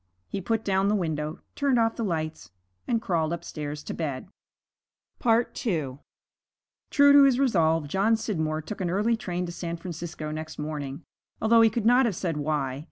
He put down the window, turned off the lights, and crawled upstairs to bed. II True to his resolve, John Scidmore took an early train to San Francisco next morning, although he could not have said why.